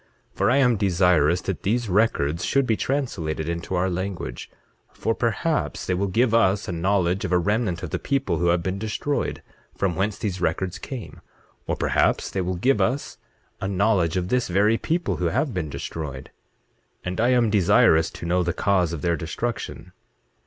For I am desirous that these records should be translated into our language; for, perhaps, they will give us a knowledge of a remnant of the people who have been destroyed, from whence these records came; or, perhaps, they will give us a knowledge of this very people who have been destroyed; and I am desirous to know the cause of their destruction.